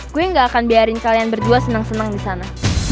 gue gak akan biarin kalian berdua senang senang di sana